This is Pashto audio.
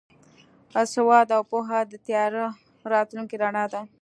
سواد او پوهه د تیاره راتلونکي رڼا ده.